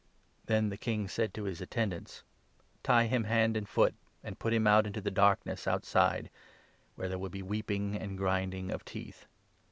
Then the king said to the attendants 'Tie him 13 hand and foot, and ' put him out into the darkness ' outside, where there will be weeping and grinding of teeth.'